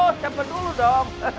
oh coba dulu dong